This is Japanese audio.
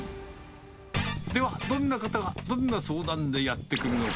では、どんな方がどんな相談でやって来るのか。